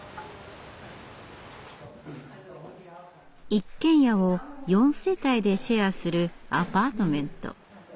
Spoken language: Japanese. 一軒家を４世帯でシェアするアパートメント。